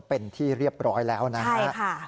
เป็นที่เรียบร้อยแล้วนะครับ